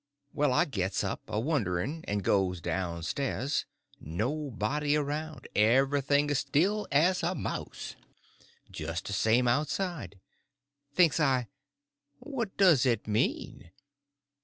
Well, I gets up, a wondering, and goes down stairs—nobody around; everything as still as a mouse. Just the same outside. Thinks I, what does it mean?